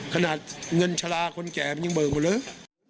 ขนาดเงินชะลาคนแก่มันยังเบิกหมดเลย